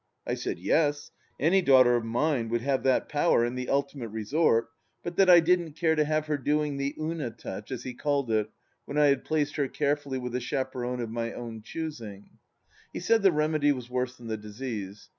I said, Yes ; any daughter of mine would have that power in the ultimate 232 THE LAST DITCH 238 resort, but that I didn't care to have her doing " the Una touch," as he called it, when I had placed her carefully with a chaperon of my own choosing. He said the remedy was worse than the disease.